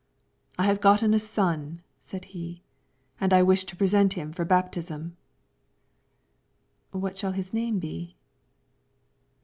"I have gotten a son," said he, "and I wish to present him for baptism." "What shall his name be?"